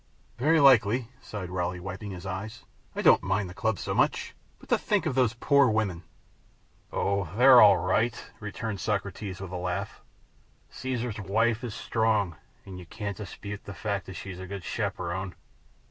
"Very likely," sighed Raleigh, wiping his eyes. "I don't mind the club so much, but to think of those poor women " "Oh, they're all right," returned Socrates, with a laugh. "Caesar's wife is along, and you can't dispute the fact that she's a good chaperon.